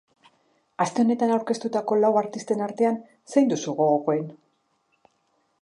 Aste honetan aurkeztutako lau artisten artean, zein duzu gogokoen?